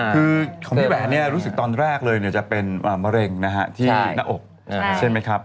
คือของพี่แหวนเนี่ยรู้สึกตอนแรกเลยจะเป็นมะเร็งนะฮะที่หน้าอกใช่ไหมครับ